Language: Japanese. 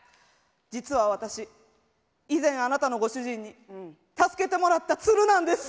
実は私以前あなたのご主人に助けてもらった鶴なんです。